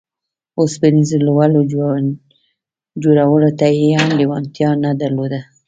اوسپنيزو لولو جوړولو ته يې هم لېوالتيا نه درلوده.